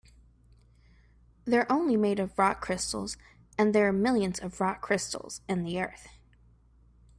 They're only made of rock crystal, and there are millions of rock crystals in the earth.